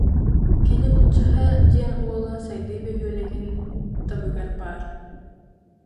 Кини Булчаһа диэн уола Сайдыы бөһүөлэгин табыгар баар